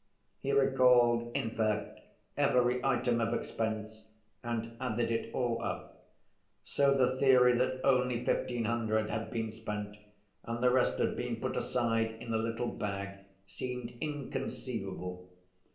He recalled, in fact, every item of expense and added it all up. So the theory that only fifteen hundred had been spent and the rest had been put aside in a little bag seemed inconceivable.